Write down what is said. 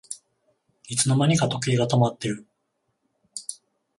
いつの間にか時計が止まってる